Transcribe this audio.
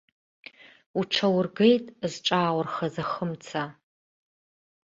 Уҽаургеит зҿааурхаз ахы-мца.